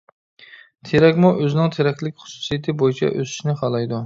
تېرەكمۇ ئۆزىنىڭ تېرەكلىك خۇسۇسىيىتى بويىچە ئۆسۈشنى خالايدۇ.